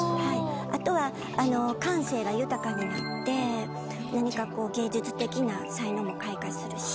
あとは感性が豊かになって何か芸術的な才能も開花するし。